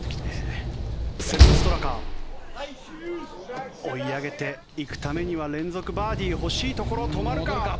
セップ・ストラカ追い上げていくためには連続バーディー欲しいところ止まるか。